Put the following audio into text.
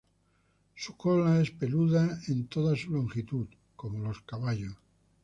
Su cola es peluda en toda su longitud como los caballos.